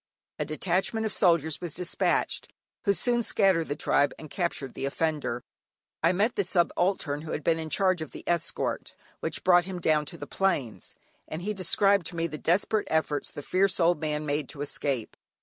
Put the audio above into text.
A detachment of soldiers was despatched, who soon scattered the tribe and captured the offender. I met the subaltern who had been in charge of the escort, which brought him down to the plains, and he described to me the desperate efforts the fierce old man made to escape.